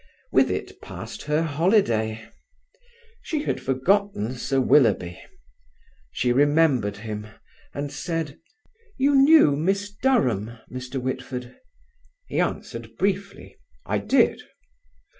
With it passed her holiday. She had forgotten Sir Willoughby: she remembered him and said. "You knew Miss Durham, Mr. Whitford?" He answered briefly, "I did."